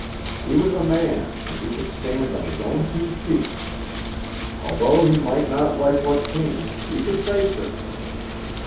He was a man and he could stand on his own two feet. Although he might not like what came, he could face it.